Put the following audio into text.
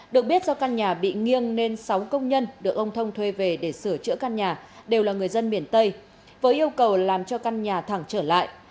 được biết do căn nhà bị nghiêng nên sáu công nhân được ông thông thuê về để sửa chữa căn nhà đều là người dân miền tây với yêu cầu làm cho căn nhà thẳng trở lại